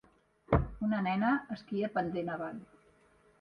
Una nena esquia pendent avall.